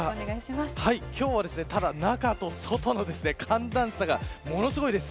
今日は、ただ中と外の寒暖差がものすごいです。